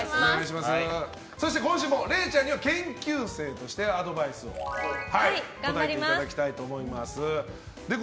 そして今週もれいちゃんには研究生としてアドバイス答えていただきたいと思います。